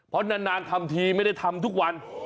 เพราะนานทำทีไม่ได้ทำทุกวัน